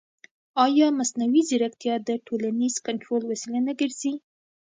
ایا مصنوعي ځیرکتیا د ټولنیز کنټرول وسیله نه ګرځي؟